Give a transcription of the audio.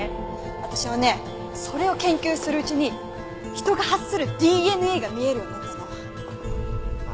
私はねそれを研究するうちに人が発するＤＮＡが見えるようになったの。は！？